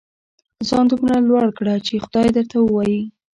ځان دومره لوړ کړه چې خدای درته ووايي.